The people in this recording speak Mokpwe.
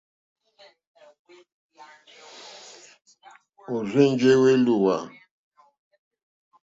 Ó rzènjé èlùwà.